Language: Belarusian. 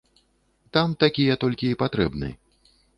Там такія толькі і патрэбны.